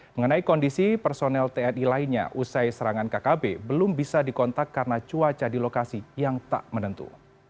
mengenai kondisi personel tni lainnya usai serangan kkb belum bisa dikontak karena cuaca di lokasi yang tak menentu